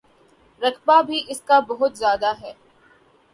رقبہ بھی اس کا بہت زیادہ ہے۔